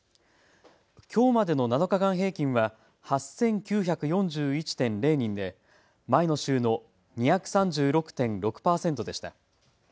きょうまでの７日間平均は８９４１．０人で前の週の２３６．６％でした。